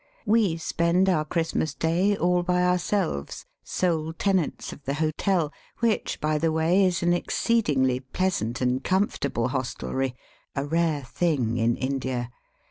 ^ We spend our Christmas Day all by our selves, sole tenants of the hotel, which, by the way, is an exceedingly pleasant and comfort able hostelry — a rare thing in India.